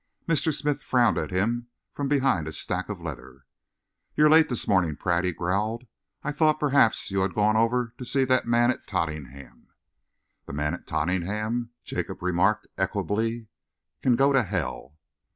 Mr. Smith frowned at him from behind a stack of leather. "You're late this morning, Pratt," he growled. "I thought perhaps you had gone over to see that man at Tottenham." "The man at Tottenham," Jacob remarked equably, "can go to hell."